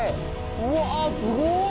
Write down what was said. うわっすごい！